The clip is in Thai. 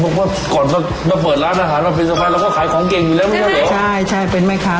๕๐กันแล้วเรามีเป็นลูกค้า